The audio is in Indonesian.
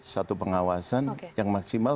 satu pengawasan yang maksimal